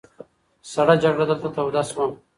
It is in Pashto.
سړه جګړه دلته توده شوه.